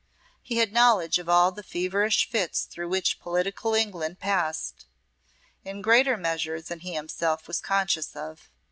He had knowledge of all the feverish fits through which political England passed, in greater measure than he himself was conscious of.